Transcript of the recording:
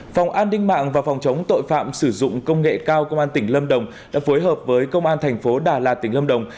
phòng an ninh mạng và phòng chống tội phạm sử dụng công nghệ cao công an tỉnh lâm đồng đã phối hợp với công an thành phố đà lạt tỉnh lâm đồng